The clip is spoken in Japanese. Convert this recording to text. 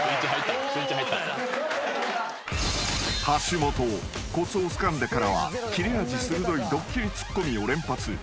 ［橋本コツをつかんでからは切れ味鋭いドッキリツッコミを連発］